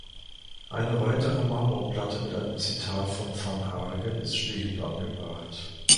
Eine weitere Marmorplatte mit einem Zitat von Varnhagen ist stehend angebracht.